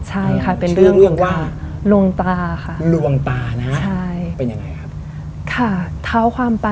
ใช่ค่ะเป็นเรื่องว่าลวงตาค่ะ